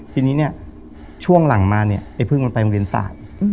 ทีนี้ช่วงหลังมาไอ้พึ่งมันไปโรงเรียนสาย